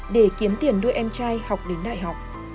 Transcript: để kiếm tiền nuôi em trai học đến đại học